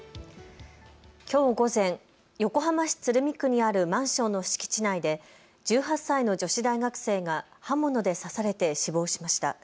きょう午前、横浜市鶴見区にあるマンションの敷地内で１８歳の女子大学生が刃物で刺されて死亡しました。